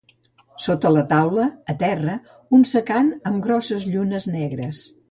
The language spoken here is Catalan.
Sota la taula, a terra, un secant amb grosses llunes negres.